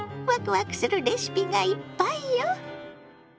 わくわくするレシピがいっぱいよ。